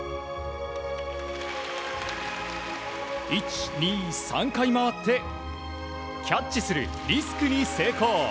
１、２、３回回ってキャッチするリスクに成功。